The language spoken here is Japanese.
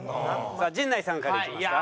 さあ陣内さんからいきますか。